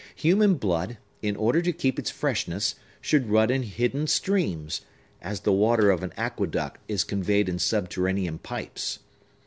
Human blood, in order to keep its freshness, should run in hidden streams, as the water of an aqueduct is conveyed in subterranean pipes.